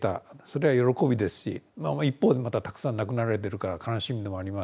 一方でまたたくさん亡くなられてるから悲しみでもありますし。